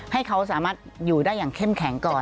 ให้เขาสามารถอยู่ได้อย่างเข้มแข็งก่อน